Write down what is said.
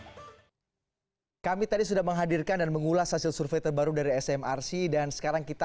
hai kami tadi sudah menghadirkan dan mengulas hasil survei terbaru dari smrc dan sekarang kita